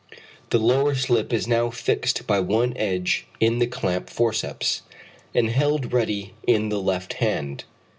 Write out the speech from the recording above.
The lower slip is now fixed by one edge in the clamp forceps, and held ready in the left hand.